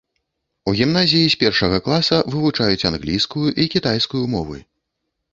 У гімназіі з першага класа вывучаюць англійскую і кітайскую мовы.